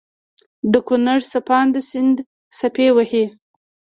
دکونړ څپانده سيند څپې وهي